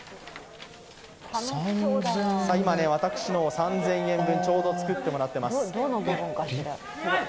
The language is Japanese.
今、私の３０００円分ちょうど作ってもらっています。